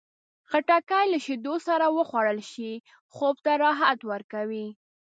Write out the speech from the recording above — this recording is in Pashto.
خټکی له شیدو سره وخوړل شي، خوب ته راحت ورکوي.